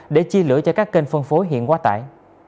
để chi lửa cho các kênh phân phối hiện quá tại